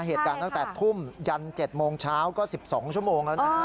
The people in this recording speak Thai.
เหตุการณ์ตั้งแต่ทุ่มยัน๗โมงเช้าก็๑๒ชั่วโมงแล้วนะ